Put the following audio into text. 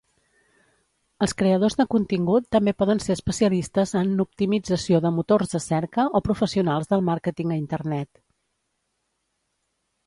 Els creadors de contingut també poden ser especialistes en optimització de motors de cerca o professionals del màrqueting a Internet.